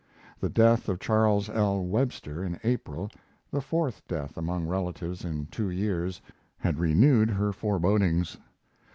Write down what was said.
The death of Charles L. Webster in April the fourth death among relatives in two years had renewed her forebodings.